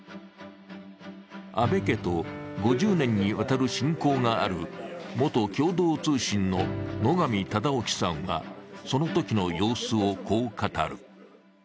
安倍家と５０年にわたる親交がある元共同通信の野上忠興さんはそのときの様子をこう語る。